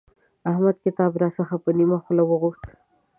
احمد کتاب راڅخه په نيمه خوله وغوښت.